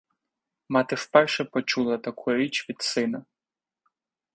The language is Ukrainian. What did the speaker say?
Мати вперше почула таку річ від сина.